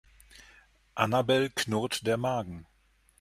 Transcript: Annabel knurrt der Magen.